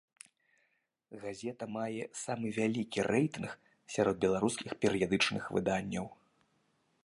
Газета мае самы вялікі рэйтынг сярод беларускіх перыядычных выданняў.